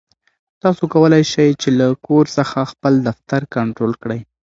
تاسو کولای شئ چې له کور څخه خپل دفتر کنټرول کړئ.